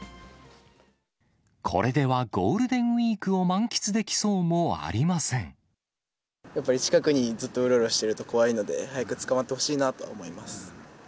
これではゴールデンウィークやっぱり近くにずっとうろうろしてると怖いので、早く捕まってほしいなとは思います。